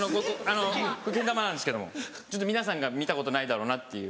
けん玉なんですけども皆さんが見たことないだろうなっていう。